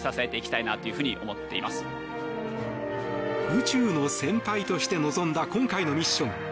宇宙の先輩として臨んだ今回のミッション。